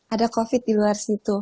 ada covid di luar situ